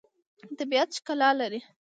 طبیعت ښکلا لري.